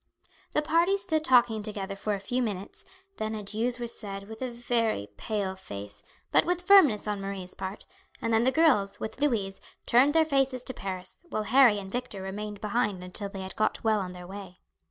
The party stood talking together for a few minutes; then adieus were said with a very pale face, but with firmness on Marie's part, and then the girls, with Louise, turned their faces to Paris, while Harry and Victor remained behind until they had got well on their way.